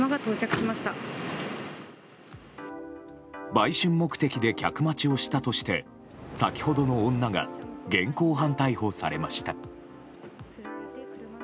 売春目的で客待ちをしたとして先ほどの女が現行犯逮捕されました。